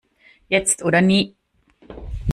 Jetzt oder nie!